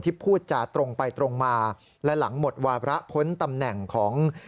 พูดจาตรงไปตรงมาและหลังหมดวาระพ้นตำแหน่งของ